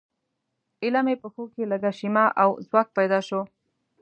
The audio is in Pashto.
ایله مې پښو کې لږه شیمه او ځواک پیدا شو.